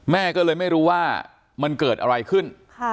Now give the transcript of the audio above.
แม่ก็เลยไม่รู้ว่ามันเกิดอะไรขึ้น